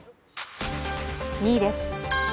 ２位です